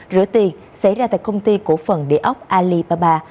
rửa tiền xảy ra tại công ty cổ phần địa ốc alibaba